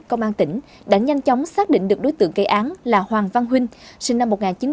công an tỉnh đã nhanh chóng xác định được đối tượng gây án là hoàng văn huynh sinh năm một nghìn chín trăm tám mươi